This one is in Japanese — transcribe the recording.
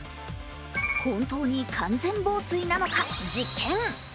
本当に完全防水なのか、実験。